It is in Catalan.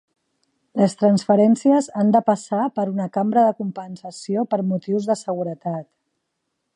Les transferències han de passar per una cambra de compensació per motius de seguretat.